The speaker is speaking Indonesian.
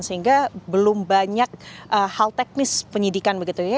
sehingga belum banyak hal teknis penyidikan begitu ya